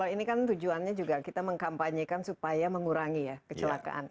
ini kan tujuannya juga kita mengkampanyekan supaya mengurangi ya kecelakaan